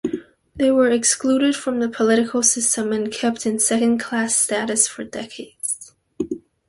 They were excluded from the political system and kept in second-class status for decades.